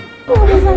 gak bisa gitu pak